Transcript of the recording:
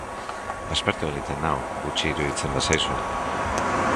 Aspertu egiten nau, gutxi iruditzen bazaizu.